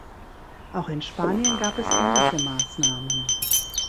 Auch in Spanien gab es ähnliche Maßnahmen.